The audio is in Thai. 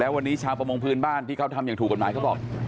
วันนี้ชาวประมงพื้นบ้านที่เขาทำอย่างถูกกฎหมายเขาบอก